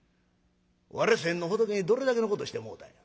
われ先の仏にどれだけのことしてもろたんや？